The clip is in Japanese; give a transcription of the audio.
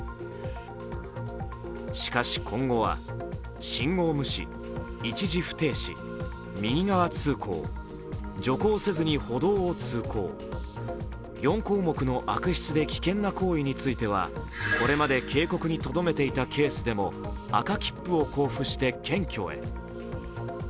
しかし今後は、信号無視、一時不停止、右側通行、徐行せずに歩道を通行４項目の悪質で危険な行為についてはこれまで警告にとどめていたケースでも赤切符を交付して検挙へ。